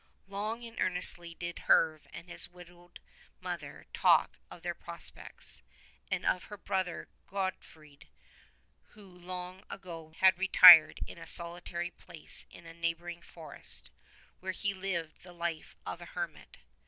Long and earnestly did Herve and his widowed mother talk of their prospects, and of her brother Gorfoed who long ago had retired into a solitary place in a neighbouring forest, where he lived the life of a hermit.